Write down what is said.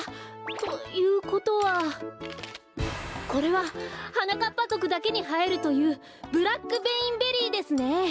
ということはこれははなかっぱぞくだけにはえるというブラック・ベインベリーですね！